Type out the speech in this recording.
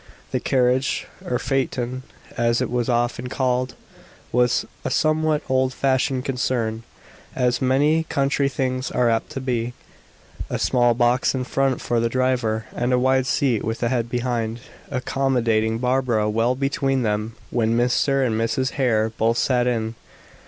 The carriage or phaeton as it was often called was a somewhat old fashioned concern, as many country things are apt to be. A small box in front for the driver, and a wide seat with a head behind, accommodating Barbara well between them when Mr. and Mrs. Hare both sat in.